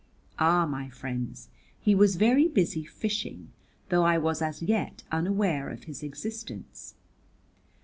Ah, my friends, he was very busy fishing, though I was as yet unaware of his existence.